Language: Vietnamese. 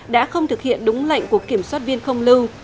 đã không thực hiện đúng lệnh của kiểm soát viên không lưu